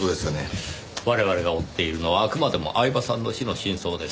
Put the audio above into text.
我々が追っているのはあくまでも饗庭さんの死の真相です。